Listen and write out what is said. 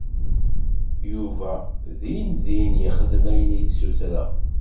Yuba dindin yexdem ayen i d-ssutreɣ.